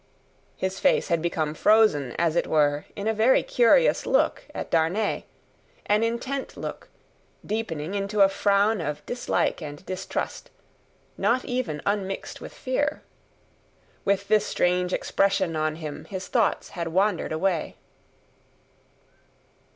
His face had become frozen, as it were, in a very curious look at Darnay: an intent look, deepening into a frown of dislike and distrust, not even unmixed with fear. With this strange expression on him his thoughts had wandered away.